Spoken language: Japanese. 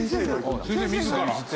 先生自ら？